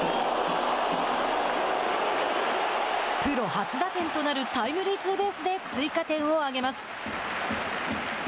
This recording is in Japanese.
プロ初打点となるタイムリーツーベースで追加点を挙げます。